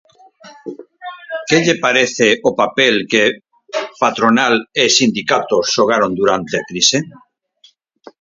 Que lle parece o papel que patronal e sindicatos xogaron durante a crise?